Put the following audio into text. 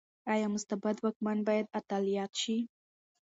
ايا مستبد واکمن بايد اتل ياد شي؟